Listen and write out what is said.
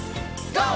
ＧＯ！